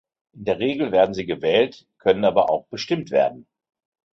In der Regel werden sie gewählt, können aber auch bestimmt werden.